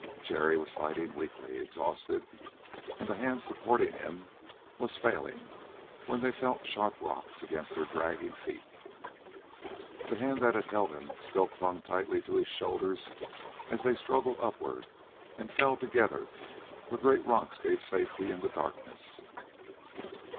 Jerry was fighting weakly, exhausted, and the hand supporting him was failing when they felt sharp rocks against their dragging feet. The hand that had held him still clung tightly to his shoulder as they struggled upward and fell together where great rocks gave safety in the darkness.